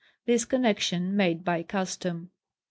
This Connexion made by custom.